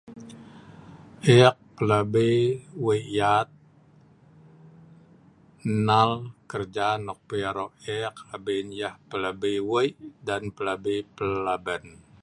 eek pelabi wei' yaat enal kerja nok pi aro' eek abin yah pelabi wei' dan pelabi pelaben